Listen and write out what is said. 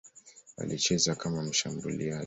Alicheza kama mshambuliaji.